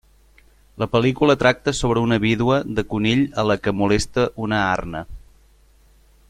La pel·lícula tracta sobre una vídua de conill a la que molesta una arna.